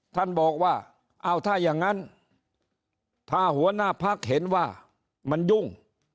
ท่านบอกว่าเอาถ้าอย่างนั้นถ้าหัวหน้าพักเห็นว่ามันยุ่ง